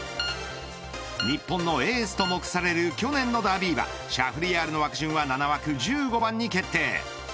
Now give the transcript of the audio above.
日本のエースと目される去年のダービー馬シャフリヤールの枠順は７枠１５番に決定。